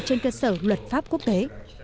trên cơ sở luật pháp quốc tế